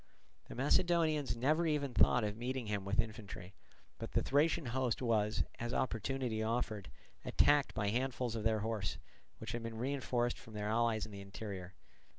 The Macedonians never even thought of meeting him with infantry; but the Thracian host was, as opportunity offered, attacked by handfuls of their horse, which had been reinforced from their allies in the interior.